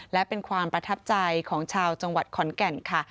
และเป็นความประทับใจของชาวจังหวัดขอนแก่นค่ะ